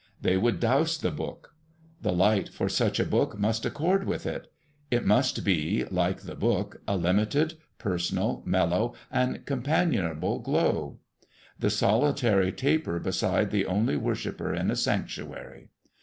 They would douse the book. The light for such a book must accord with it. It must be, like the book, a limited, personal, mellow, and companionable glow; the solitary taper beside the only worshiper in a sanctuary.